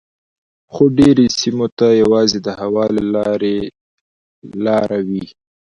خو ډیری سیمو ته یوازې د هوا له لارې لاره وي